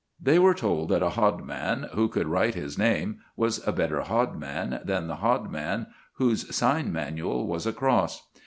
They were told that a hodman who could write his name was a better hodman than the hodman whose sign manual was a cross.